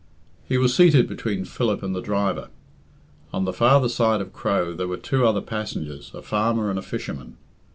He was seated between Philip and the driver. On the farther side of Crow there were two other passengers, a farmer and a fisherman.